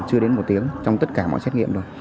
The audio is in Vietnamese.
chưa đến một tiếng trong tất cả mọi xét nghiệm rồi